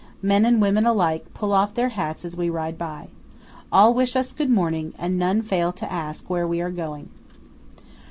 Men and women alike pull off their hats as we ride by. All wish us good morning, and none fail to ask where we are going.